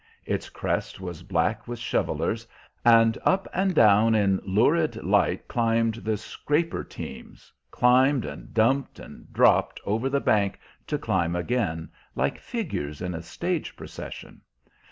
Its crest was black with shovelers, and up and down in lurid light climbed the scraper teams; climbed and dumped, and dropped over the bank to climb again, like figures in a stage procession.